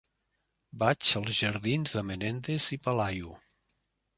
Vaig als jardins de Menéndez y Pelayo.